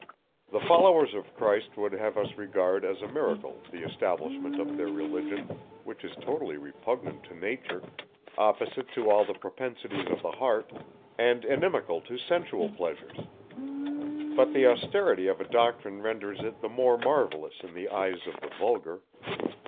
The followers of Christ would have us regard, as a miracle, the establishment of their Religion, which is totally repugnant to nature, opposite to all the propensities of the heart, and inimical to sensual pleasures. But the austerity of a doctrine renders it the more marvellous in the eyes of the vulgar.